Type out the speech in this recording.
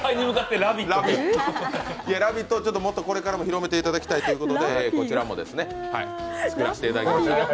「ラヴィット！」をこれからも広めていただきたいということでこちらも作らせていただきました。